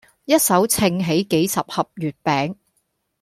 一手掅起幾十盒月餅